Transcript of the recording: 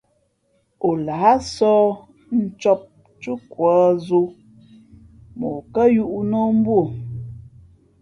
O lāh sɔ̌h ncǒp túkwa zō mα ǒ kάyūʼ nā o mbū o.